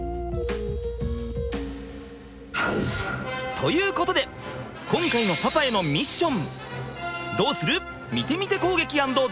ということで今回のパパへのミッション！